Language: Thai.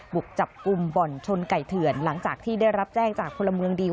บุกจับกลุ่มบ่อนชนไก่เถื่อนหลังจากที่ได้รับแจ้งจากพลเมืองดี